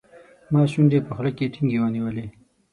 ما شونډې په خوله کې ټینګې ونیولې.